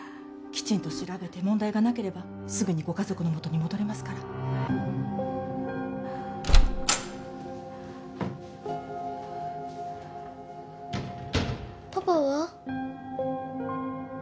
きちんと調べて問題がなければすぐにご家族のもとに戻れますからパパは？